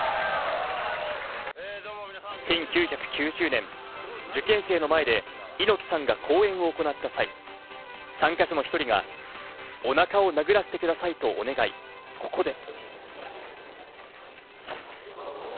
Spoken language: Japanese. １９９０年、受験生の前で猪木さんが講演を行った際、参加者の１人がお腹を殴らせてくださいとお願い、ここで。